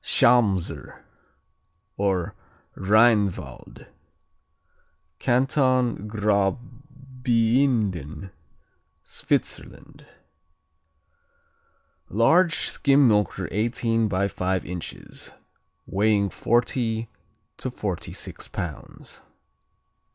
Schamser, or Rheinwald Canton Graubiinden, Switzerland Large skim milker eighteen by five inches, weighing forty to forty six pounds.